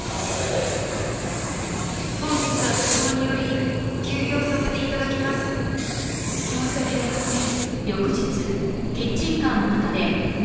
「本日は都合により休業させていただきます」「申し訳ありません！」